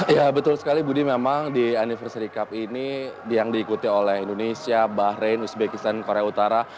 ya betul sekali budi memang di anniversary cup ini yang diikuti oleh indonesia bahrain uzbekistan korea utara